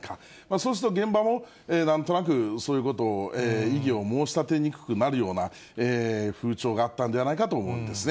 そうすると現場もなんとなく、そういうことを、異議を申し立てにくくなるような風潮があったんではないかと思うんですね。